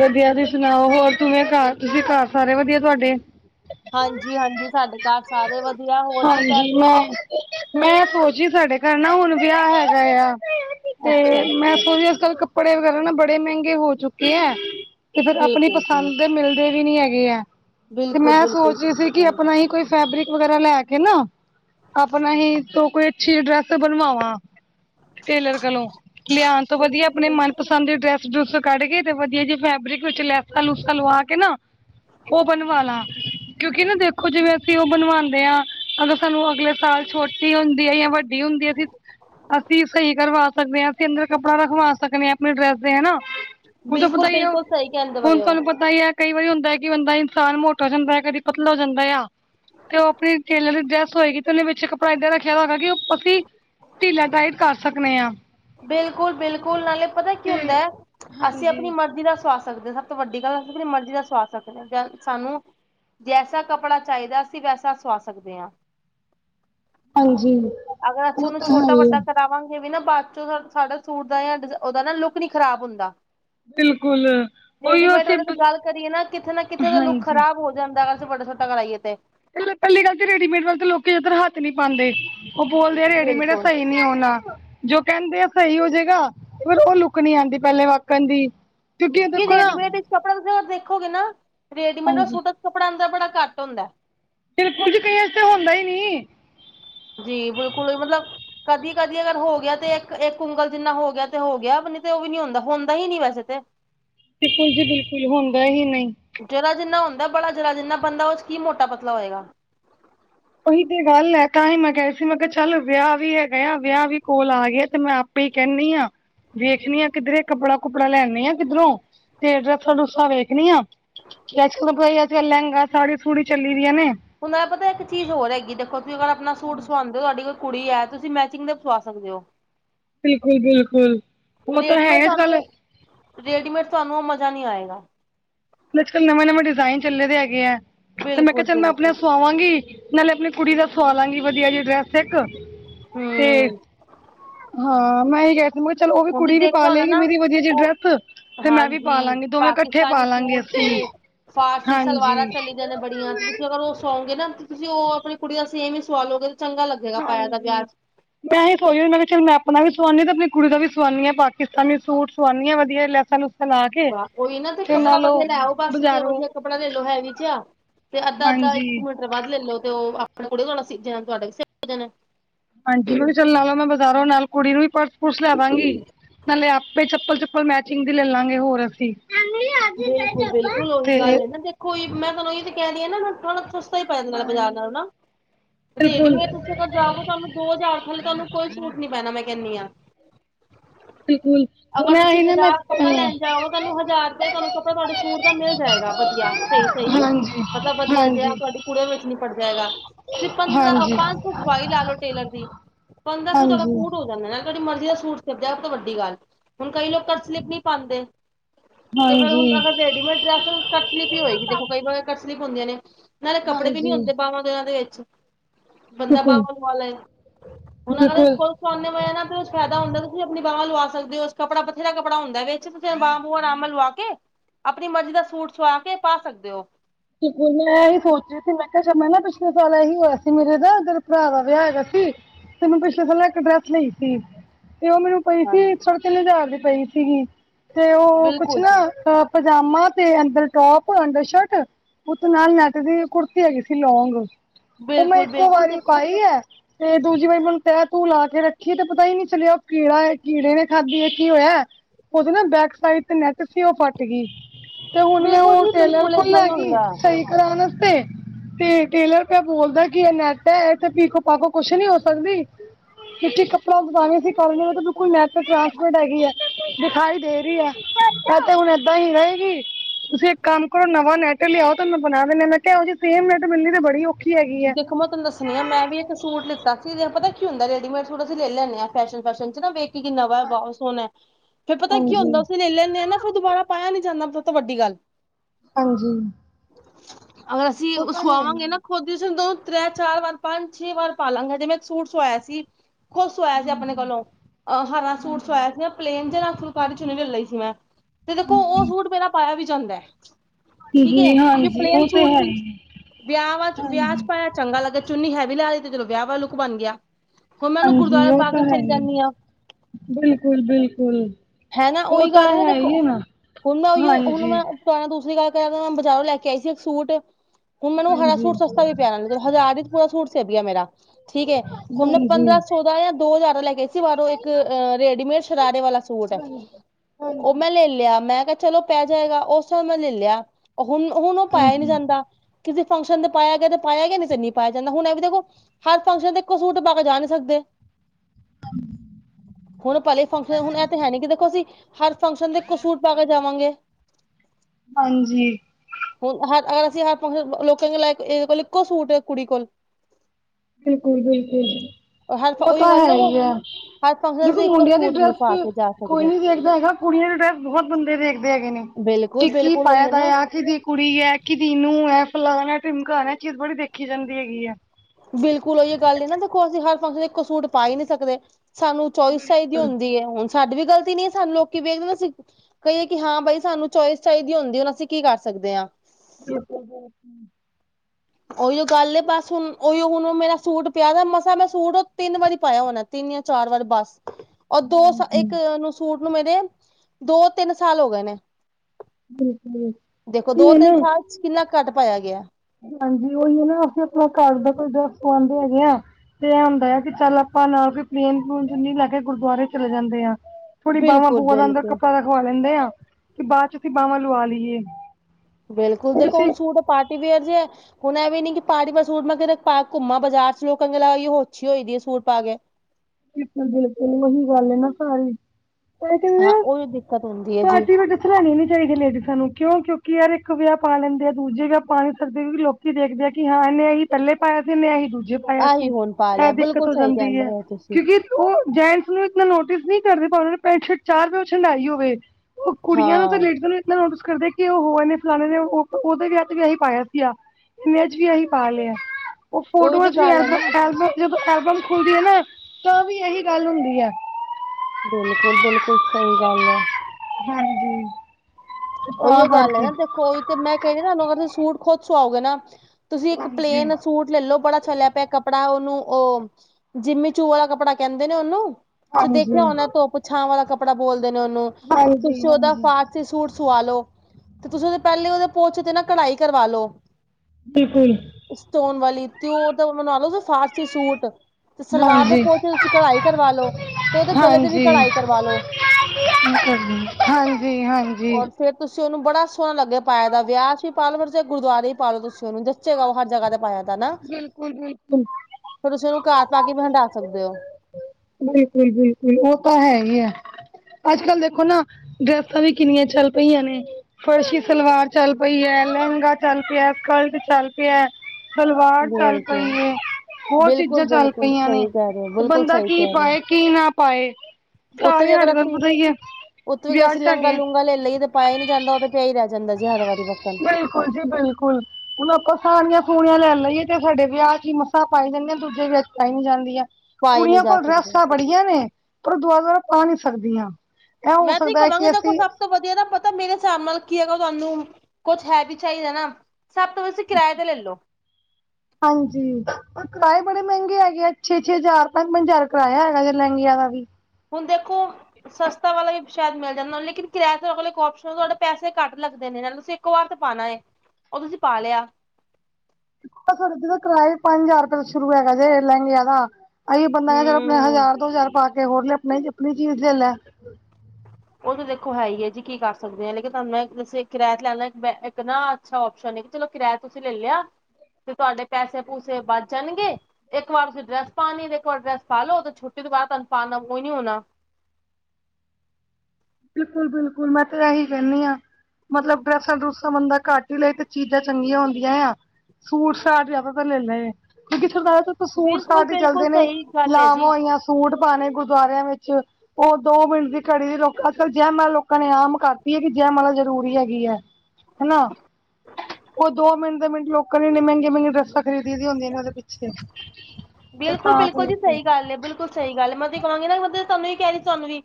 ਵਧੀਆ, ਤੁ ਸੁਣਾਓ ਹੋਰ ਕਿਵੇਂ ਘਰ ਤੁਸੀਂ ਘਰ ਸਾਰੇ ਵਧੀਆ ਤੁਹਾਡੇ ਹਾਂਜੀ -ਹਾਂਜੀ ਸਾਡੇ ਘਾਰ ਸਾਰੇ ਵਧੀਆ, ਹੋਰ ਕੀ ਹਾਂਜੀ ਕਰਦੇ ਮੈਂ ਸੀ। ਮੈਂ, ਸੋਚਈ ਸਾਡੇ ਘਰ ਨਾ ਹੁਣ ਵਿਆਹ ਹੈਗਾ ਆ ਅੱਛਾ ਤੇ ਮੈਂ ਅੱਛਾ ਸੋਚਦੀ, ਅੱਜ-ਕੱਲ੍ਹ ਕੱਪੜੇ ਵਗੈਰਾ ਨਾ ਬੜੇ ਮਹਿੰਗੇ ਹੋ ਚੁੱਕੇ ਹੈ। ਤੇ ਫਿਰ ਆਪਣੀ ਬਿਲਕੁਲ ਬਿਲ- ਪਸੰਦ ਦੇ ਮਿਲਦੇ ਵੀ ਨੀ ਹੈਗੇ ਹੈ, ਤੇ ਬਿਲਕੁਲ ਮੈਂ ਬਿਲਕੁਲ ਸੋਚ ਰਹੀ ਸਹੀ ਸੀ ਕਿ ਕਹਿੰਦੇ ਆਪਣਾ ਹੋ। ਹੀ ਕੋਈ ਫੈਬਰਿਕ ਵਗੈਰਾ ਲੈ ਕੇ ਨਾ, ਆਪਣਾ ਹੀ ਤੋਂ ਕੋਈ ਅੱਛੀ ਡਰੈਸ ਬਣਵਾਵਾਂ ਟੇਲਰ ਕੋਲੋਂ, ਲਿਆਉਣ ਤੋਂ ਵਧੀਆ ਬਿਲਕੁਲ ਆਪਣੇ ਬਿਲਕੁਲ ਮਨਪਸੰਦ ਡਰੈਸ ਦੂਸ ਕੱਢ ਕੇ ਤੇ ਵਧੀਆ ਜਿ ਫੈਬਰਿਕ ਵਿੱਚ ਲੈਸਾਂ-ਲੂਸਾ ਲਵਾ ਕੇ ਨਾ ਉਹ ਬਣਵਾ ਲਾ, ਕਿਉਂਕਿ ਨਾ ਦੇਖੋ ਜਿਵੇਂ ਅਸੀਂ ਉਹ ਬਣਵਾਉਂਦੇ ਹਾਂ। ਅਦੋਂ ਸਾਨੂੰ ਅਗਲੇ ਸਾਲ ਛੋਟੀ ਹੁੰਦੀ ਹੈ, ਜਾਂ ਵੱਡੀ ਹੁੰਦੀ ਹੈ ਅਸੀ ਅਸੀਂ, ਸਹੀ ਕਰਵਾ ਸਕਦੇ ਹਾਂ। ਅੰਦਰ ਕੱਪੜਾ ਰਖਵਾ ਸਕਦੇ ਆਪਣੇ ਡਰੈਸ ਦੇ ਹੈਨਾ, ਹੁਣ ਤਾਂ ਪਤਾ ਬਿਲਕੁਲ ਹੀ ਹੈ, ਬਿਲਕੁਲ ਸਹੀ ਕਹਿੰਦੇ ਹੁਣ ਪਏ ਹੋ ਤੁਹਾਨੂੰ ਪਤਾ ਸਹੀ ਹੈ, ਕਈ ਵਾਰੀ ਹੁੰਦਾ ਹੈ ਕਿ ਬੰਦਾ, ਇਨਸਾਨ ਮੋਟ ਹੋ ਜਾਂਦਾ ਹੈ, ਕਦੀ ਪਤਲ ਹੋ ਜਾਂਦਾ ਆ, ਤੇ ਉਹ ਆਪਣੀ ਟੇਲਰ ਦੀ ਡਰੈਸ ਹੋਏਗੀ ਤੇ, ਉਹਨੇ ਵਿੱਚ ਕੱੜਾ ਇਏਦਾਂ ਰੱਖਿਆ ਹੋਗਾ ਕਿ ਉਹ ਅਸੀ ਢਿੱਲਾ-ਟਾਈਟ-ਕਰ ਸਕਦੇ ਹਾਂ। ਬਿਲਕੁਲ-ਬਿਲਕੁਲ, ਨਾਲੇ ਪਤਾ ਕੀ ਤੇ ਹੁੰਦਾ ਹੈ, ਅਸੀਂ ਹਾਂਜੀ ਆਪਣੀ ਮਰਜ਼ੀ ਦਾ ਸਵਾ ਸਕਦੇ ਸਭ ਤੋਂ ਵੱਡੀ ਗੱਲ ਮਰਜ਼ੀ ਦਾ ਸਵਾ ਸਕਦੇ ਜਾਂ ਸਾਨੂੰ ਜੈਸਾ ਕੱਪੜਾ ਚਾਹੀਦਾ, ਅਸੀਂ ਵੈਸਾ ਸਵਾ ਸਕਦੇ ਹਾਂ। ਹਾਂਜੀ ਅਗਰ ਅਸੀਂ, ਉਹਨੂੰ ਛੋਟਾ-ਵੱਡਾ ਕਰ ਕਰਾਵਾਂਗੇ ਵੀ ਨਾ ਬਾਅਦ ਚੋਂ, ਸਾਡਾ ਸੂਟ ਦਾ ਜਾਂ ਉਹਦਾ ਨਾ, ਲੁੱਕ ਨੀ ਖਰਾਬ ਹੁੰਦਾ। ਬਿਲਕੁਲ ਉਹੀਓ ਰੇਡੀਮੇਡ ਬਾਰੇ ਅਸੀਂ ਤਾਂ ਗੱਲ ਕਰੀਏ ਨਾ, ਕਿਥੇ ਨਾ-ਕਿਥੇ, ਉਹਦਾ ਲੁੱਕ ਹਾਂਜੀ ਖਰਾਬ ਹੋ ਜਾਂਦਾ ਵਾਸੇ ਬਡਾ-ਛੋਟਾ ਕਰਈਏ ਤੇ ਚ ਪਹਿਲੀ ਗੱਲ ਤੇ ਰੈਡੀਮੇਡ ਵੱਲ ਤੇ ਲੋਕੀ ਇਦਰ ਹੱਥ ਨੀ ਪਾਉਂਦੇ ਉਹ ਬੋਲਦੇ ਆ ਰੇਡੀਮੇਡ ਬਿਲਕੁਲ ਸਹੀ ਨੀ ਆਉਣਾ ਜੋ ਕਹਿੰਦੇ ਆ ਸਹੀ ਹੋ ਜਾਏਗਾ, ਫਿਰ ਉਹ ਲੁੱਕ ਨਹੀਂ ਆਉਂਦੀ, ਪਹਿਲੇ ਵਾਕਣ ਦੀ ਕਿਉਂਕਿ ਇਹ ਕਿਉ ਦੇਖੋ ਨਾ ਰੇਡੀਮੇਡ ਕੱਪੜ ਦੇਖੋਗੇ ਨਾ, ਰੇਡੀਮੇਡ ਹਾਂਜੀ ਸੂਟਾਂ ਚ ਕੱਪੜਾ ਅੰਦਰ ਬੜਾ ਘਟ ਹੁੰਦਾ ਹੈ। ਤਿਲ ਕੁਝ ਕਈ ਤੇ ਹੁੰਦਾ ਹੀ ਨਹੀਂ ਜੀ, ਬਿਲਕੁਲ ਹੀ ਮਤਲਬ ਕਦੀ-ਕਦੀ ਅਗਰ ਹੋ ਗਿਆ ਤੇ, ਇੱਕ-ਇੱਕ ਉੁੰਂਗਲ ਜਿੰਨਾ ਹੋ ਗਿਆ, ਤੇ ਹੋ ਗਿਆ ਤੇ ਹੋ ਗਿਆ ਨੀ ਤੇ ਉਹ ਵੀ ਨੀ ਹੁੰਦਾ-ਹੁੰਦਾ ਹੀ ਨੀ ਵੈਸੇ ਤੇ। [inaudible] ਬਿਲਕੁਲ ਜੀ ਬਿਲਕੁਲ, ਹੁੰਦਾ ਹੀ ਨਈ। ਜਰਾ ਜਿੰਨਾ ਹੁੰਦਾ ਬੜਾ ਜ਼ਰਾ ਜਿੰਨਾ ਬਣਦਾ ਉਹ 'ਚ ਕੀ ਮੋਟਾ- ਪਤਲਾ ਹੋਏਗਾ। ਉਹੀ ਤੇ ਗੱਲ ਐ ਤਾਂ ਹੀ ਮੈਂ ਕਿਹਾ ਸੀ ਮੈਂ ਕਿਹਾ ਚੱਲ ਵਿਆਹ ਵੀ ਹੈਗਾ ਆ ਵਿਆਹ ਵੀ ਕੋਲ ਆ ਗਿਆ ਤੇ ਮੈਂ ਆਪ ਪੇ ਕਹਿੰਨੀ ਆ ਵੇਖਣੀ ਆ ਕਿੱਧਰੇ ਕੱਪੜਾ-ਕੁੱਪੜਾ ਲੈਣੀ ਆ ਕਿੱਧਰੋਂ ਤੇ ਢਰੈਸਾਂ-ਢੂਰੁਸਾ ਵੇਖਣੀ ਆ। ਕਿ ਅੱਜ-ਕੱਲ ਬਾਈ ਅੱਜ-ਕੱਲ ਲਹਿੰਗਾ, ਸਾੜੀ-ਸੂੜੀ ਚੱਲੀ ਦੀਆਂ ਨੇ। ਹੁਣ ਐ ਪਤਾ ਇੱਕ ਚੀਜ਼ ਹੋਰ ਹੈਗੀ ਦੇਖੋ ਤੁਸੀਂ ਅਗਰ ਆਪਣਾ ਸੂਟ ਸੁਵਾਉਂਦੇ ਓ ਤੁਹਾਡੀ ਕੋ ਕੁੜੀ ਐ ਤੁਸੀਂ ਮੈਚਿੰਗ ਦੇ ਸੁਵਾ ਸਕਦੇ ਓ। ਬਿਲਕੁਲ-ਬਿਲਕੁਲ ਉਹ ਤਾਂ ਰੇਡੀਮੇਡ ਹੈ ਤੁਹਾਨੂੰ ਅਜ-ਕੱਲ ਰੇਡੀਮੇਡ ਤੁਹਾਨੂੰ, ਉਹ ਮਜ਼ਾ ਨਹੀਂ ਆਏਗਾ। ਅੱਜ-ਕੱਲ ਨਵੇਂ-ਨਵੇਂ ਡਿਜ਼ਾਇਨ ਚੱਲੇ ਦੇ ਹੈਗੇਆ, ਤੇ ਮੈਂ ਬਿਲਕੁਲ ਕਿਹਾ, ਚੱਲ ਮੈਂ ਬਿਲਕੁਲ ਆਪਣੇ-ਆਪ ਹੂੰ ਸਵਾਵਾਂਗੀ। ਨਾਲੇ ਆਪਣੀ ਕੁੜੀ ਦਾ ਸੁਆਾਲਾਂਗੀ, ਵਧੀਆ ਜੀ ਡਰੈਸ ਇੱਕ ਤੇ ਹੁਣ ਹਾਂ ਮੈ ਇਹੀ ਕਹਿ ਮੈ ਕਿਹਾ, ਚਲੋ ਉਹ ਵੀ ਤੁਸੀਂ ਕੁੜੀ ਵੀ ਪਾ ਦੇਖਿਆ ਹੋਣਾ ਲਏਗੀ ਨਾ ਮੇਰੀ, ਵਧੀਆ ਜਿਹੀ ਉਹ ਡਰੈੱਸ, ਤੇ ਮੈਂ ਵੀ ਪਾ ਹਾਂਜੀ ਲਾਂਗੀ ਦੋਵੇਂ ਇਕੱਠੇ ਪਾ ਪਾਕਿਸਤਾਨੀ ਲਾਂਗੇ। ਸੂਟ ਤੇ ਫਾਰਸੀ ਹਾਂਜੀ। ਸਲਵਾਰਾਂ ਚੱਲੀਆਂ ਨੇ ਬੜੀਆਂ ਤੇ ਤੁਸੀਂ ਉਹ ਸੌਂਗੇ ਨਾ ਤੁਸੀਂ ਉਹ ਆਪਣੀ ਕੁੜੀ ਦਾ ਸੇਮ ਹੀ ਸਵਾ ਲੋ ਤੇ ਚੰਗਾ ਲੱਗੇਗਾ। ਪਾਇਆ ਦਾ ਵਿਆਹ ਹਾਂਜੀ। ਚ ਮੈਂ ਇਹੀ ਸੋਚਦੀ ਮੈਂ ਕਿਹਾ ਚ ਮੈਂ ਆਪਣਾ ਵੀ ਸਵਾਉਂ ਹਾਂ, ਤੇ ਆਪਣੀ ਕੁੜੀ ਦਾ ਵੀ ਸਵਾਉਨੀ ਹਾਂ, ਪਾਕਿਸਤਾਨੀ ਸੂਟ ਸਵਾਉਦੀ ਹਾਂ ਵਧੀਆ ਲੈਸਾ-ਲੂਸਾ ਨੂੰ ਵਹਾ, ਉਹੀ ਨਾ ਤੇ ਕੱਪੜਾ ਵਧੀਆ ਲੈਓ ਬਸ ਤੇ ਬਜ਼ਾਰੋਂ ਵਧੀਆ ਕੱਪੜਾ ਲੈਲੋ ਹੈਵੀ ਜਿਆ। ਤੇ ਅੱਧਾ-ਅੱਧਾ ਇੱਕ ਕਿ ਹਾਂਜੀ ਮੀਟਰ ਵੱਧ ਲੈਲੋ ਤੇ ਉਹ ਆਪਣੇ ਕੁੜੀ ਦਾ ਸਿਪ ਜਾਣਾ ਤੇ ਤੁਹਾਡਾ ਵੀ ਸਿਪ ਜਾਣੇ। ਹਾਂਜੀ, ਮੈਂ ਵੀ ਚੱਲ ਲੈਵਾ ਮੈਂ ਬਾਜ਼ਾਰੋਂ ਨਾਲ ਕੁੜੀ ਨੂੰ ਵੀ ਪਰਸ-ਪੁਰਸ ਲੈ ਦਾਗੀ। ਨਾਲੇ ਆਪੇ ਚੱਪਲ-ਚੁੱਪਲ ਮੈਚਿੰਗ ਦੀ ਲੈ ਲਾਂਗੇ ਹੋਰ ਅਸੀਂ। ਬਿਲਕੁਲ-ਬਿਲਕੁਲ, ਉਹੀ ਤੇ ਗੱਲ ਐ ਨਾ ਦੇਖੋ ਜੀ ਮੈਂ ਤੁਹਾਨੂੰ ਇਹ ਤੇ ਕਹਿ ਰਹੀ ਹਾ ਥੋੜਾ ਸਸਤਾ ਸਸਤਾ ਹੀ ਪੈ ਜਾਂਦੇ ਬਾਜ਼ਾਰ ਨਾਲ ਨਾ, ਬਿਲਕੁਲ ਰੇਡੀਮੇਡ ਉਸ ਜੇ ਤੁਹਾਨੂੰ ਦੋ ਹਜ਼ਾਰ ਥੱਲੇ ਤੁਹਾਨੂੰ ਕੋਈ ਸੂਟ ਨੀ ਪੈਣਾ ਮੈਂ ਕਹਿੰਨੀ ਆ। ਬਿਲਕੁਲ ਹੁਣ ਅਗਰ ਤੁਸੀਂ ਆਹੀ ਨਾ ਮੈਂ ਬਜਾਰ ਕੱਪੜਾ ਲੈਣ ਜਾਓ ਤੁਹਾਨੂੰ ਹਜ਼ਾਰ ਫੇਰ‌ ਤੁਹਾਨੂੰ ਕੱਪੜਾ ਤੁਹਾਡੇ ਸੂਟ ਦਾ ਮਿਲ ਜਾਏਗਾ ਵਧੀਆ ਸਈ ਹਾਂਜੀ ਸਈ। ਹਾਂਜੀ ਮਤਲਬ ਵਧੀਆ ਹਾਂਜੀ ਜਿਹਾ ਤੁਹਾਡੀ ਕੁੜੇ ਵਿੱਚ ਨੀਪੜ ਜਾਏਗਾ। ਤੁਸੀਂ ਪੰਦਰਾਂ ਹਾਂਜੀ ਪੰਜ ਸੌ ਸਵਾਈ ਲਾ ਲਓ ਟੇਲਰ ਦੀ ਪੰਦਰਾਂ ਸੌ ਤੁਹਡਾ ਸੂਟ ਜਾਂ ਨਾਲੇ ਤੁਹਾਡੀ ਮਰਜ਼ੀ ਦਾ ਸੂਟ ਸਬ ਜਿਆ ਸਭ ਤੋਂ ਵੱਡੀ ਗੱਲ, ਹੁਣ ਕਈ ਲੋਕ ਕਟ ਸਲਿਪ ਨੀ ਪਾਂਦੇ। ਤੇ ਫੇਰ ਹਾਂਜੀ ਹੁਣ ਰੈਡੀਮੇਡ ਡਰੈਸ ਕਟ ਸਲਿੱਪ ਈ ਹੋਏਗੀ ਦੇਖੋ ਕਈ ਵਾਰੀ ਕਟ ਸਲਿੱਪ ਹੁੰਦੀਆਂ ਨੇ। ਨਾਲੇ ਕੱਪੜੇ ਵੀ ਨੀ ਹਾਂਜੀ ਹੁੰਦੇ ਬਾਹਵਾਂ ਦੇਨਾਂ ਦੇ ਵਿੱਚ। ਬੰਦਾ ਬਿਲਕੁਲ ਬਾਵਾਂ ਸੁਆਲੇ ਹੁਣ ਅਗਰ ਬਿਲਕੁਲ ਕੋ ਸੁਆਂਦੇ ਹੋਏ ਨਾ ਫਾਇਦਾ ਹੁੰਦਾ ਤੁਸੀ ਆਪਣੀ ਬਾਹਵਾਂ ਲਵਾ ਸਕਦੇ ਓ ਉਸ ਕੱਪੜਾ ਬਥੇਰਾ ਕੱਪੜਾ ਹੁੰਦਾ ਵਿੱਚ ਤੁਸੀ ਬਾਹਾਂ ਬੁਆ ਆਰਾਮ ਨਾਅ ਲਵਾ ਕੇ ਅਪਣੀ ਮਰਜੀ ਦਾ ਸੂਟ ਸੁਵਾ ਕੇ ਪਾ ਸਕਦੇ ਓ। ਤੇ ਫਿਰ ਮੈਂ ਐਹੀ ਸੋਚਦੀ ਸੀ ਮੈਂ ਕਿਹਾ ਚਲ ਮੈਂ ਨਾ ਪਿਛਲੇ ਸਾਲ ਐਹੀ ਹੋਇਆ ਸੀ ਮੇਰੇ ਦਾ ਭਰਾ ਦਾ ਵਿਆਹ ਹੈਗਾ ਸੀ ਤੇ ਮੈਨੂੰ ਪਿਛਲੇ ਸਾਲ ਨਾ ਇੱਕ ਡਰੈਸ ਲਈ ਸੀ ਤੇ ਉਹ ਮੈਨੂੰ ਪਈ ਸੀ ਹਾਂਜੀ। ਸਾਢੇ ਤਿੰਨ ਹਜ਼ਾਰ ਦੀ ਪਈ ਸੀਗੀ ਤੇ ਉਹ ਕੁਛ ਬਿਲਕੁਲ ਨਾ ਰਾ ਪਜ਼ਾਮਾ ਤੇ ਅੰਦਰ ਟੋਪ ਅੰਡਰ ਸ਼ਰਟ। ਉਹ ਤੇ ਨਾਲ ਨੈਟ ਦੀ ਕੁੜਤੀ ਹੈਗੀ ਸੀ ਲੋਂਂਗ ਉਹ ਮੈਂ ਬਿਲਕੁਲ ਇੱਕੋ ਬਿਲਕੁਲ ਵਾਰੀ ਦੇਖੋ ਪਾਈ ਐ। ਫੇਰ ਦੂਜੀ ਵਾਰੀ ਮੈ ਉਣ ਤੈਅ ਤੂੰ ਲਾ ਕੇ ਰੱਖੀ ਤੇ ਪਤਾ ਈ ਨੀ ਚੱਲਿਆ ਉਹ ਕੀੜਾ ਐ ਕੀੜੇ ਨੇ ਖਾਧੀ ਏ ਕੀ ਹੋਇਆ। ਉਹਦੇ ਨਾ ਬੈਕ ਸਾਈਡ ਤੇ ਨੈਟ ਸੀ ਉਹ ਫੱਟ ਗੀ ਤੇ ਹੁਣ ਮੈਂ ਬਿਲਕੁਲ ਉਹ ਜੀ ਟੇਲਰ ਬਿਲਕੁਲ ਕੋਲ ਏਦਾਂ ਹੀ ਲੈ ਗੀ। ਹੁੰਦਾ। ਸਈ ਕਰਾਣ ਵਸਤੇ ਤੇ ਟੇਲਰ ਪਿਆ ਬੋਲਦਾ ਕਿ ਇਹ ਨੈਟ ਐ ਏਥੈ ਪੀਕੋ ਪਾਕੋ ਕੁਛ ਨੀ ਹੋ ਸਕਦੀ। ਕਿਥੇ ਕੱਪੜਾ ਉਗ ਗਾਣੇ ਸੀ ਕਰਨ ਬਿਲਕੁਲ ਮੈਟ ਟਰਾਂਸਮੇਟ ਹੈਗੀ ਐ ਦਿਖਾਈ ਦੇ ਰੀ ਐ। ਐਹ ਤੇ ਹੁਣ ਏਦਾਂ ਈ ਰਹੇਗੀ। ਤੁਸੀਂ ਇੱਕ ਕੰਮ ਕਰੋ ਨਵਾਂ ਨੈੱਟ ਲਿਆਓ ਤੇ ਮੈਂ ਬਣਾ ਦਿੰਨੇ ਮੈਂ ਕਿਹਾ ਐਹੋ ਜੀ ਸੇਮ ਨੈਟ ਮਿਲਣੀ ਤੇ ਬੜੀ ਔਖੀ ਹੈਗੀ ਹੈ ਦੇਖੋ ਮੈਂ ਤੁਹਨ ਦ ਮੈਂ ਵੀ ਇੱਕ ਸੂਟ ਲਿਆ ਸੀ ਪਤਾ ਹੈ ਕੀ ਹੁੰਦਾ ਅਸੀਂ ਫੈਸ਼ਨ ਦੇ ਚੱ ਵਿੱਚ ਰੈਡੀਮੇਡ ਸੂਟ ਲੈ ਲੈਂਦੇ ਹਾਂ। ਨਵਾਂ ਬਹੁਤ ਸੋਹਣਾ ਲੱਗਦਾ ਹੈ ਫਿਰ ਪਤਾ ਹੈ ਕੀ ਹਾਂਜੀ, ਹੁੰਦਾ ਅਸੀਂ ਲੈ ਹੀ ਲੈਂਦੇ ਹਾਂ ਨਾ। ਫਿਰ ਦੁਬਾਰਾ ਪਾਇਆ ਨੀ ਜਾਂਦਾ ਬਹੁਤ ਵੱਡੀ ਗੱਲ। ਹੰਜੀ। ਅਗਰ ਅਸੀਂ ਉਸ ਸੁਵਾਵਾਂਗੇ ਨਾ- ਹੀ। ਤੁੂੰਸ਼ਨ ਦੋ ਤਰੈ ਚਾਰ ਵਾਰ ਪੰਜ ਛੇ ਵਾਰ ਪਾ ਲਾਂਗਾ ਜੇ ਮੈਂ ਇੱਕ ਸੂਟ ਸਵਾਇਆ ਸੀ। ਖੁਦ ਸਵਾਇਆ ਸੀ ਆਪਣੇ ਕੋਲੋਂ ਅਹ ਹਰਾ ਸੂਟ ਸਵਾਇਆ ਸੀ ਪਲੇਨ ਦੇ ਨਾਲ ਫੁਲਕਾਰੀ ਚੂਨੀ ਉਹ ਲੇਲਈ ਸੀ ਮੈਂ ਤੇ ਦੇਖੋ ਉਹ ਸੂਟ ਮੇਰਾ ਪਾਇਆ ਵੀ ਜਾਂਦਾ ਹੈ। ਠੀਕ ਹੈ ਜੀ ਕਿਉਂ ਉਹ ਹਾਂਜੀ ਪਲੇਨ ਤੇ ਸੂਟ ਹੈ ਸੀ ਹੀ ਵਿਆਹ ਵਾਸ- ਵਿਆਹ ਚ ਪਾਇਆ ਚੰਗਾ ਲੱਗਿਆ ਚੁੰਨੀ ਹੈਵੀ ਲੈ ਲਈ ਤੇ ਚਲੋ ਵਿਆਹ ਵਾਲਾ ਲੁਕ ਬਣ ਗਿਆ। ਹੁਣ ਮੈਂ ਉਹਨੂੰ ਹਾਂਜੀ ਗੁਰਦੁਆਰਾ ਉਹ ਪਾ ਕੇ ਤਾਂ ਵੀ ਹੈ ਚਲੀ ਹੀ ਜਾਂਨੀ ਆ‌। ਬਿਲਕੁਲ ਬਿਲਕੁਲ। ਹੈ ਨਾ ਉਹ ਉਹੀ ਤਾਂ ਗੱਲ ਨਾ ਹੈ ਹੀ ਦੇਖੋ ਹੈ ਨਾ ਹੁਣ ਮੈਂ ਉਹੀਓ ਹੁਣ ਹਾਂਜੀ ਮੈਂ ਪਰਾ ਦੂਸਰੀ ਗੱਲ ਕਰਿਆ ਮੈਂ ਬਾਜ਼ਾਰੋਂ ਲੈ ਕੇ ਆਈ ਸੀ ਇੱਕ ਸੂਟ ਹੁਣ ਮੈਨੂੰ ਹਰਾ ਹਾਂਜੀ ਸੂਟ ਸਸ ਘਰੀ ਪਿਆ ਰਹਿਣ ਦੇਓ ਜਦੋ ਹਜ਼ਾਰ ਵਿਚ ਪੂਰਾ ਸੂਟ ਸੇ ਮੇਰਾ। ਠੀਕ ਏ ਹਾਂਜੀ ਹੁਣ ਮੈਂ ਹਾਂਜੀ ਪੰਦਰਾਂ ਸੋ ਦਾਂ ਜਾਂ ਦੋ ਹਜ਼ਾਰ ਦਾ ਲੈ ਕੇ ਇਸ ਵਾਰ ਇੱਕ ਅ ਰੇਡੀਮੇਡ ਸ਼ਰਾਰੇ ਵਾਲਾ ਸੂਟ ਉਹ ਮੈਂ ਲੈ ਲਿਆ ਮੈਂ ਕਹਿ ਚਲੋ ਪੈ ਜਾਏਗਾ ਉਹ ਸਾਬ ਨਾਲ ਲਿਆ ਹੁਣ ਹੁਣ ਉਹ ਪਾਇਆ ਈ ਨੀ ਹਾਂਜੀ ਜਾਂਦਾ ਕਿਸੇ ਫੰਕਸ਼ਨ ਦੇ ਪਾਇਆ ਗਿਆ ਤੇ ਪਾਇਆ ਗਿਆ ਨੀ ਤੇ ਨੀ ਪਾਇਆ ਜਾਂਦਾ ਹੁਣ ਇਹ ਵੀ ਦੇਖੋ ਹਰ ਫੰਕਸ਼ਨ ਦੇ ਇੱਕੋ ਸੂਟ ਪਾ ਕੇ ਜਾ ਨੀ ਸਕਦੇ। ਹੁਣ ਪਲੇ ਫੰਕਸ਼ਨ ਹੁਣ ਇਹ ਤਾਂ ਹੈ ਨੀ ਕਿ ਦੇਖੋ ਅਸੀਂ ਹਰ ਫੰਕਸ਼ਨ ਦੇ ਇਕੋ ਸੂਟ ਪਾ ਕੇ ਜਾਵਾਂਗੇ। ਹਾਂਜੀ। ਹੁਣ ਜੇ ਅਸੀਂ ਹਰ ਫੰਕਸ਼ਨ ਤੇ ਲੋਕ ਕਹਿਣ ਗੇ ਕੁੜੀ ਕੋਲ ਇੱਕੋ ਹੀ ਸੂਟ ਹੈ। ਬਿਲਕੁਲ ਹਰ ਬਿਲਕੁਲ। ਉਹ ਉਹੀ ਤਾਂ ਗੱਲ ਹੈ ਨਾ ਹੀ ਹਰ ਫੰਕਸ਼ਨ ਦੇਖੋ ਅਸੀਂ ਇੱਕੋ ਮੁੰਡਿਆਂ ਦੀ ਸੂਟ ਨਹੀਂ ਪਾ ਡਰੈੱਸ ਕੇ ਜਾ ਕੋਈ ਸਕਦੇ ਨਹੀਂ ਵੇਖ। ਹੈਗਾ ਕੁੜੀਆਂ ਦੀ ਡਰੈਸ ਬਹੁਤ ਬੰਦੇ ਦੇਖਦੇ ਹੈਗੇ ਨੇ ਬਿਲਕੁਲ ਕਿ ਕੀ ਬਿਲਕੁਲ ਉਹੀ ਪਾਇਆ ਹੈ ਨਾ ਦਾਆ ਕੀ ਦੇਖ ਕੁੜੀ ਹੈ ਕਿਦੀ ਨੂੰ ਹੈ ਫਲਾਨੇ ਟ੍ਰਿਮਕਾਨੇ ਹੈ ਚੀਜ਼ ਬੜੀ ਦੇਖੀ ਜਾਂਦੀ ਹੈਗੀ ਹੈ। ਬਿਲਕੁਲ ਉਹੀ ਗੱਲ ਨੀ ਨਾ ਦੇਖੋ ਅਸੀਂ ਹਰ ਫੰਕਸ਼ਨ ਦੇ ਇੱਕ ਸੂਟ ਪਾ ਹੀ ਨਹੀਂ ਸਕਦੇ ਸਾਨੂੰ ਚੋਇਸ ਚਾਹੀਦੀ ਹੁੰਦੀ ਹੈ ਹੁਣ ਸਾਡੀ ਵੀ ਗਲਤੀ ਨੀ ਹੈ ਸਾਨੂੰ ਲੋਕੀ ਵਖਦੇ ਨੇ ਅਸੀ ਕਹੀਏ ਕਿ ਹਾਂ ਬਾਈ ਸਾਨੂੰ ਚੋਇਸ ਚਾਹੀਦੀ ਹੁੰਦੀ ਹੁਣ ਅਸੀਂ ਕੀ ਕਰ ਸਕਦੇ ਹਾਂ। ਬਿਲਕੁਲ [unintelligible] ਉਹੀਓ ਗੱਲ ਏ ਬਸ ਹੁਣ ਓਹੀਓ ਹੁਣ ਮੇਰਾ ਸੂਟ ਪਿਆ ਦਾ ਮਸਾ ਮੈਂ ਸੂਟ ਉਹ ਤਿੰਨ ਵਾਰੀ ਪਾਇਆ ਹੋਣਾ। ਤਿੰਨ ਯਾ ਚਾਰ ਵਾਰ ਬਸ। ਔ ਦੋ ਇੱਕ ਨੂੰ ਸੂਟ ਨੂੰ ਮੇਰੇ ਦੋ-ਤਿੰਨ ਸਾਲ ਹੋ ਗਏ ਨੇ। ਦੇਖੋ ਉਹੀ ਹੈ ਦੋ-ਤਿੰਨ ਨਾ ਸਾਲ ਚ ਕਿੰਨਾ ਘੱਟ ਪਾਇਆ ਗਿਆ। ਹਾਂਜੀ ਉਹੀ ਹੈ ਨਾ ਅਸੀ ਆਪਣਾ ਘਰ ਦਾ ਕੋਈ ਡਰੈੱਸ ਸਵਾਦੇ ਹੈਗੇ ਆ। ਤੇ ਇਹ ਹੁੰਦਾ ਆ ਕਿ ਚੱਲ ਆਪਾ ਨਾਲ ਕੋਈ ਪਲੇਨ-ਪਲੂਨ ਚੂਨੀ ਲੈ ਕੇ ਗੁਰਦੁਆਰੇ ਚਲੇ ਜਾਂਦੇ ਆ। ਥੋੜੀ ਬਾਵਾਂ ਬਿਲਕੁਲ ਬੂਆ ਦਾ ਅੰਦਰ ਬਿਲਕੁਲ ਕੱਪੜਾ ਰਖਵਾ ਲੈਂਦੇ ਆ ਤੇ ਬਾਅਦ ਚ ਅਸੀ ਬਾਵਾਂ ਲਵਾ ਲਈਏ। ਬਿਲਕੁਲ ਦੇਖੋ ਹੁਣ ਤੁਸੀਂ ਸੂਟ ਪਾਰਟੀ ਵੇਅਰ ਜੇ ਹੁਣ ਐ ਵੀ ਨੀ ਕਿ ਪਾਾਰੀ ਸੂਟ ਮੈਂ ਕਿਤੇ ਪਾ ਘੁੰਮਾ ਬਾਜ਼ਾਰ ਚ ਲੋਕਾਂ ਲ ਉਹ ਹੋਛੀ ਹੋਈ ਦੀ ਐ ਸੂਟ ਪਾ ਕੇ। ਬਿਲਕੁਲ-ਬਿਲਕੁਲ ਉਹੀ ਗੱਲ ਹੈ ਨਾ ਸਾਰੀ ਮੈਂ ਕਹਿਣੀ ਹਾਂ ਆ ਉਹੀ ਦਿੱਕਤ ਹੁੰਦੀ ਹੈ ਜੀ ਪਾਰਟੀ ਨੀ ਚਾਹੀਦੀ ਲੇਡੀਜ਼ਾਂ ਨੂੰ ਕਿਉਂ ਕਿਉਂਕਿ ਯਾਰ ਇੱਕ ਵਿਆਹ ਪਾ ਲੈਂਦੇ ਦੂਜੇ ਵਿਆਹ ਪਾ ਨੀ ਸਕਦੇ ਕਿਉਂਕਿ ਲੋਕ ਕੀ ਦੇਖਦੇ ਆ ਕਿ ਹਾਂ ਇਹਨੇ ਅਹ ਹੀ ਪਹਿਲੇ ਪਾਇਆ ਸੀ ਇਹਨੇ ਅਹ ਹੀ ਦੂਜੇ ਪਾਇਆ ਸੀ ਆਹੀ ਹੁਣ ਪਾ ਇਹ ਲਿਆ ਦਿੱਕਤ ਬਿਲਕੁਲ ਹੋ ਸਹੀ ਜਾਂਦੀ ਕਹਿੰਦੇ ਹੈ। ਹੋ ਤੁਸੀਂ। ਕਿਉਂਕਿ ਉਹ ਜੈਂਟਸ ਨੂੰ ਇਤਨਾ ਨੋਟਿਸ ਨਹੀਂ ਕਰਦੇ ਪਾਵੈ ਉਹ ਨੇ ਪੈਂਟ ਸ਼ਰਟ ਚਾਰ ਫੰਕਸ਼ਨ ਹੰਡਾਈ ਹੋਵੇ। ਉਹ ਕੁੜੀਆ ਨੂੰ ਤੇ ਹਾਂ ਲੇਡੀਸਾ ਨੂੰ ਨੋਟਿਸ ਕਰਦੇ ਕਿ ਉਹ ਹੋ ਏਨੇ ਫਲਾਣੇ ਨੇ ਉਹ ਉਹਦੇ ਵਿਆਹ ਤੇ ਵੀ ਉਹੀ ਪਾਇਆ ਸੀਆ। ਇੰਨੇ ਅੱਜ ਵੀ ਇਹੀ ਪਾ ਲਿਆ। ਉਹ ਉਹੀ ਫੋਟੋਆ ਤੇ ਚ ਵੀ ਗੱਲ ਹੈ ਨਾ ਐਲਬਮ-ਐਲਬਮ ਜਦੋ ਖੁੱਲਦੀ ਹੈ ਨਾ ਤਾ ਵੀ ਇਹੀ ਗੱਲ ਹੁੰਦੀ ਹੈ। ਬਿਲਕੁਲ-ਬਿਲਕੁਲ ਸਹੀ ਗੱਲ ਹੈ। ਹਾਂਜੀ ਤੇ ਤਾਂ ਓਹੀਓ ਗੱਲ ਹੈ ਕਰਕੇ ਨਾ ਦੇਖੋ ਉਹੀ ਤੇ ਮੈਂ ਕਹਿ ਰਹੀ ਤੁਹਾਨੂੰ ਤੁਸੀ ਸੂਟ ਖੁਦ ਸਵਾਓਗੇ ਨਾ ਤੁਸੀਂ ਇੱਕ ਹਾਂਜੀ ਪਲੇਨ ਸੂਟ ਲੈਲੋ ਬੜਾ ਚੱਲਿਆ ਪਿਆ ਕੱਪੜਾ ਉਹਨੂੰ ਉਹ ਜਿੰਮੀ ਚੂਹ ਵਾਲਾ ਕੱਪੜਾ ਕਹਿੰਦੇ ਨੇ ਉਹਨੂੰ। ਤੁਸੀ ਹਾਂਜੀ, ਦੇਖਿਆ ਉਹਨਾ ਧੋਪ ਛਾ ਵਾਲਾ ਕੱਪੜਾ ਬੋਲਦੇ ਨੇ ਉਹਨੂੰ ਹਾਂਜੀ, ਤੁਸੀਂ ਉਹਦਾ ਹਾਂਜੀ। ਫਾਰਸੀ ਸੂਟ ਸੁਆ ਲੋ ਤੇ ਤੁਸੀ ਉਹਦੇ ਪਹਿਲੇ ਉਹਦੇ ਪੋਚੇ ਤੇ ਨਾ ਕਢਾਈ ਕਰਵਾ ਲੋ। ਬਿਲਕੁਲ ਸਟੋਨ ਵਾਲੀ ਤੇ ਉਹ ਤਾ ਉਹ ਬਨਵਾ ਲੋ ਫਾਰਸੀ ਸੂਟ। ਤੇ ਸਲਵਾਰ ਦੇ ਹਾਂਜੀ, ਪੋਚੇ ਤੁਸੀਂ ਕਢਾਈ ਕਰਵਾ ਲੋ ਤੇ ਉਹਦੇ ਗਲੇ ਤੇ ਵੀ ਹਾਂਜੀ। ਕਢਾਈ ਕਰਵਾ ਲੋ। ਹਾਂਜੀ ਹਾਂ ਔਰ ਫੇਰ ਤੁਸੀ ਉਹਨੂੰ ਬੜਾ ਸੋਹਣਾ ਲੱਗੇ ਪਾਇਆ ਦਾ ਵਿਆਚ ਵੀ ਪਾਲੋ ਜਾ ਗੁਰਦੁਆਰੇ ਵੀ ਪਾ ਲਓ ਤੁਸੀਂ ਉਹਨੂੰ ਜੱਚੇਗਾ ਉਹ ਹਰ ਜਗ੍ਹਾ ਤੇ ਪਾਯਾ ਦਾਨਾ ਬਿਲਕੁਲ, ਬਿਲਕੁਲ, ਫੇਰ ਤੁਸੀ ਉਹਨੂੰ ਘਰ ਪਾ ਕੇ ਵੀ ਹੰਡਾ ਸਕਦੇ ਹੋ। ਬਿਲਕੁਲ-ਬਿਲਕੁਲ ਉਹ ਤਾਂ ਹੈ ਹੀ ਆ। ਅੱਜ-ਕੱਲ ਦੇਖੋ ਨਾ ਡਰੈਸਾਂ ਵੀ ਕਿੰਨੀਆਂ ਚੱਲ ਪਈਆਂ ਨੇ। ਫਰਸ਼ੀ ਸਲਵਾਰ ਚੱਲ ਪਈ ਹੈ, ਲਹਿੰਗਾ ਚੱਲ ਪਿਆ, ਸਕਲਟ ਚੱਲ ਪਿਆ। ਸਲਵਾਰ ਚੱਲ ਪਈ ਬਿਲਕੁਲ ਹੈ। ਹੋਰ ਚੀਜ਼ਾਂ ਬਿਲਕੁਲ ਚੱਲ ਬਿਲਕੁਲ ਪਈਆ ਨੇ ਸਹੀ ਕਹਿ ਰਹੇ ਹੋ ਬਿਲਕੁਲ ਬੰਦਾ ਸਹੀ ਕੀ ਕਹਿ ਰਹੇ ਹੋ ਪਾਏ-ਕੀ ਨਾ ਪਾਏ। ਉੱਥੇ ਸਾਰੇ ਵੀ ਹੀ ਅਗਰ [unintelligible] ਅਸੀਂ ਪਤਾ ਹੀ ਆ ਉੱਥੇ ਵੀ ਅਗਰ ਵਿਆਹ ਚ ਅਸੀਂ ਲਹਿੰਗਾ ਸਾਡੇ। ਲੂੰਗਾ ਲੈ ਲਈਏ ਤੇ ਪਾਇਆ ਨੀ ਜਾਂਦਾ ਉਹ ਤੇ ਪਿਆ ਹੀ ਰਹਿ ਜਾਂਦਾ ਜੀ ਹਰ ਵਾਰੀ ਵਕਨ। ਬਿਲਕੁਲ ਜੀ ਬਿਲਕੁਲ। ਹੁਣ ਆਪਾ ਸਾਡੀਆ-ਸੂਡੀਆ ਲੈ ਲਈਏ ਤੇ ਸਾਡੇ ਵਿਆਹ ਚ ਹੀ ਮਸਾ ਪਾਈ ਜਾਂਦੀਆ ਦੂਜੇ ਵਿਆਹ ਚ ਪਾਈ ਨੀ ਜਾਂਦੀਆ। ਪਾ ਹੀ ਨਹੀਂ ਕੁੜੀਆ ਜਾ ਕੋਲ ਸਕਦੇ ਡਰੈਸਾ ਬੜੀਆਂ ਨੇ, ਪਰ ਉਹ ਦੁਆ ਦੁਆਰਾ ਪਾ ਨੀ ਸਕਦੀਆ। ਇਹ ਹੋ ਮੈਂ ਤੇ ਸਕਦਾ ਹੈ ਕਵਾਂਗੀ ਕਿ ਦੇਖੋ ਅਸੀ ਸਭ ਤੋਂ ਵਧੀਆ ਨਾ ਪਤਾ ਮੇਰੇ ਹਿਸਾਬ ਨਾਲ ਕੀ ਹੈਗਾ ਤੁਹਾਨੂੰ ਕੁੱਛ ਹੈਵੀ ਚਾਹੀਦਾ ਨਾ ਸਭ ਤੋਂ ਵਸੀ ਕਿਰਾਏ ਤੇ ਲੈਲੋ। ਹਾਂਜੀ ਕਿਰਾਏ ਬੜੇ ਮਹਿੰਗੇ ਹੈਗੇ ਆ ਛੇ-ਛੇ ਹਜ਼ਾਰ ਤੱਕ ਪੰਜ-ਪੰਜ ਹਜਾਰ ਕਿਰਾਇਆ ਹੈਗਾ ਜੇ ਲਹਿੰਗੀਆ ਦਾ ਵੀ। ਹੁਣ ਦੇਖੋ ਸਸਤਾ ਵਾਲਾ ਵੀ ਸ਼ਾਇਦ ਮਿਲ ਜਾਂਦਾ। ਲੇਕਿਨ ਕਿਰਾਏ-ਕੁਰਾਏ ਵੇਲੇ ਕੋਪਸ਼ਨਲ ਤੁਹਾਡੇ ਪੈਸੇ ਘੱਟ ਲੱਗਦੇ ਨੇ ਤੁਸੀਂ ਇੱਕ ਵਾਰ ਤਾਂ ਪਾਉਣਾ ਉਹ ਤੁਸੀਂ ਪਾ ਲਿਆ। ਆ ਸਰਦੀਆਂ 'ਚ' ਕਿਰਾਆ ਪੰਜ ਹਜ਼ਾਰ ਰੁਪਏ ਸ਼ੁਰੂ ਹੈਗਾ ਜੇ ਲਹਿੰਗਿਆਂ ਦਾ। ਅਹੀ ਬੰਦਾ ਅਗਰ ਆਪਣੇ ਹੂੰ ਹਜ਼ਾਰ ਤੋਂ ਦੋ ਹਜ਼ਾਰ ਪਾ ਕੇ ਹੋਰ ਆਪਣੀ- ਆਪਣੀ ਚੀਜ਼ ਲੈਲੈ। ਉਹ ਤਾਂ ਦੇਖੋ ਹੈ ਹੀ ਹੈ ਜੀ। ਕੀ ਕਰ ਸਕਦੇ ਆ ਲੇਕਿਨ ਤੁਹਾਨੂੰ ਮੈਂ ਦੱਸੇ ਕਿਰਾਇ ਤੇ ਲੈ ਲੈਣ ਇੱਕ ਨਾ। ਅੱਛਾ ਓਪਸ਼ਨ ਹੈ। ਚਲੋ ਕਿਰਾਇਆ ਤੁਸੀਂ ਲੈ ਲਿਆ ਤੇ ਤੁਹਾਡੇ ਪੈਸੇ -ਪੂਸੇ ਬਚ ਜਾਣਗੇ। ਇੱਕ ਵਾਰ ਤੁਸੀਂ ਡਰੈਸ ਪਾਣੀ ਤੇ ਇੱਕ ਵਾਰ ਡਰੈਸ ਪਾ ਲਓ। ਤੇ ਛੁੱਟੀ ਤੋਂ ਬਾਅਦ ਤੁਹਾਨੂੰ ਪਾਣਾ ਕੋਈ ਨੀ ਹੋਣਾ। ਬਿਲਕੁਲ -ਬਿਲਕੁਲ ਮੈਂ ਤੇ ਇਹੀ ਕਹਨੀ ਹਾਂ। ਮਤਲਬ ਡਰੈਸਾਂ- ਡਰੂਸਾਂ ਬੰਦਾ ਘੱਟ ਹੀ ਲੈ, ਤੇ ਚੀਜ਼ਾਂ ਚੰਗੀਆਂ ਹੁੰਦੀਆਂ ਆ। ਸੂਟ- ਸਾ਼ਟ ਜਿਆਦਾ ਤਾਂ ਲਾ ਲੈ, ਕਿਉਂਕਿ ਠੰਡ ਆ ਕੀ। ਸੂਟ- ਬਿਲਕੁਲ ਸਾਟ ਈ ਬਿਲਕੁਲ ਚੱਲਦੇ ਨੇ, ਸਹੀ ਗੱਲ ਹੈ ਲਾਵਾਂ ਜੀ ਹੋਈਆਂ- ਸੂਟ ਪਾਣੇ ਗੁਰਦੁਆਰਿਆਂ ਵਿੱਚ, ਉਹ ਦੋ ਮਿੰਟ ਦੀ ਘੜੀ ਦਾ- ਅੱਜ ਕੱਲ ਜੈ ਮਾਲਾ ਲੋਕਾਂ ਨੇ ਆਮ ਕਰਤੀ ਹੈ। ਕਿ ਜੈ ਮਾਲਾ ਜ਼ਰੂਰੀ ਹੈਗੀ ਹੈ ਹਨਾ। ਉਹ ਦੋ ਮਿੰਟ ਦ ਮਿੰਟ ਲੋਕਾਂ ਇਨੇ ਮਹਿੰਗੀਆਂ- ਮਹਿੰਗੀਆਂ ਡਰੱਸਾਂ ਖਰੀਦੀਆਂ ਹੁੰਦੀਆਂ ਨੇ, ਉਹਦੇ ਪਿੱਛੇ ਤੇ ਬਿਲਕੁਲ- ਤਾਂ ਬਿਲਕੁਲ ਜੀ ਕਰਕੇ ਸਹੀ ਗੱਲ ਹੈ। ਬਿਲਕੁਲ ਸਹੀ ਗੱਲ ਹੈ। ਮੈਂ ਤੇ ਕਹਾਂਗੀ ਨਾ ਮ ਤੁਹਾਨੂੰ ਵੀ ਕਹਿ ਰਹੀ ਤੁਹਾਨੂੰ ਵੀ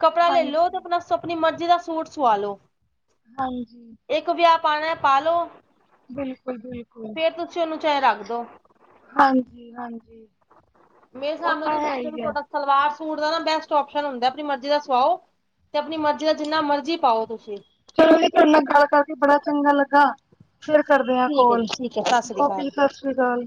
ਕੱਪੜਾ ਲੈ ਲੋ ਤੇ ਹਾਂਜੀ-ਹਾਂਜੀ ਆਪਣਾ ਆਪਣੀ ਮਰਜ਼ੀ ਦਾ ਸੂਟ ਸਆ ਲੋ। ਹਾਂਜੀ। ਇੱਕ ਵਿਆਹ ਪਾਉਣਾ ਪਾ ਲੋਉ। ਬਿਲਕੁਲ- ਬਿਲਕੁਲ। ਉਹਨੂੰ ਚਾਹੇ ਰੱਖ ਦੋ। ਹਾਂਜੀ ਹਾਂਜੀ। ਮੇਰੇ ਹਿਸਾਬ ਨਾਲ ਤਾਂ ਤੁਹਾਡਾ ਸਲਵਾਰ ਸੂਟ ਦਾ ਨਾ ਬੈਸਟ ਓਪਸ਼ਨ ਹੁੰਦਾ। ਆਪਣੀ ਮਰਜ਼ੀ ਦਾ ਸਵਾਓ। ਤੇ ਆਪਣੀ ਮਰਜ਼ੀ ਦਾ ਜਿੰਨਾ ਮਰਜ਼ੀ ਪਾਓ ਤੁਸੀਂ। ਚਲੋ ਜੀ‌ ਤੁਹਾਡੇ ਨਾਲ ਗੱਲ ਕਰਕੇ ਬੜਾ ਚੰਗਾ ਲੱਗਾ। ਫੇਰ ਕਰਦੇ ਆ ਕੋਲ ਸਤਿ੍ਸ਼੍ਰੀ ਕਾਲ। ਓਕੇ ਜੀ ਸਤਿ ਸ਼੍ਰੀ ਅਕਾਲ।